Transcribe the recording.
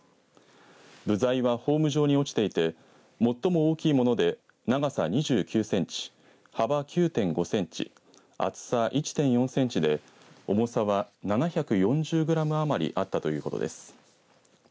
部材はホーム上に落ちていて最も大きいもので長さ２９センチ幅９．５センチ厚さ１．４センチで重さは７４０グラム余りあったということです。